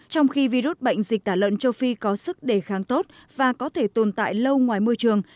trong khi virus bệnh dịch tả lợn châu phi có sức đề kháng tốt và có thể tồn tại lâu ngoài môi trường